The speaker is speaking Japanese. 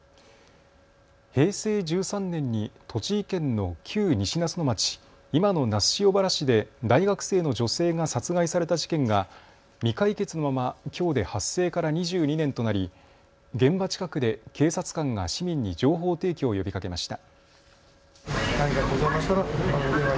平成１３年に栃木県の旧西那須野町、今の那須塩原市で大学生の女性が殺害された事件が未解決のままきょうで発生から２２年となり現場近くで警察官が市民に情報提供を呼びかけました。